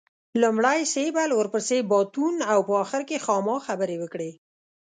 لومړی سېبل ورپسې باتون او په اخر کې خاما خبرې وکړې.